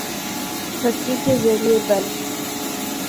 پھکی کے زریعے بل